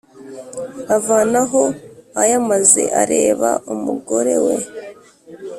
avanaho ayamaze areba umugore we.